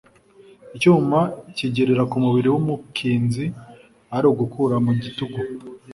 icyuma cyigerera ku mubili w'umukinzi, ari ugukura mu gitugu